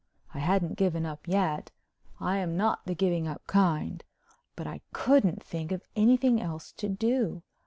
I hadn't given up yet—I'm not the giving up kind—but I couldn't think of anything else to do.